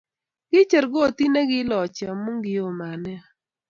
Kicher kotit ni kiilochi amu kio mat nea